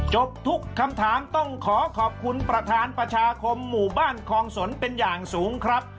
จบทุกคำถามต้องขอขอบคุณประธานประชาคมหมู่บ้านคลองสนเป็นอย่างสูงครับ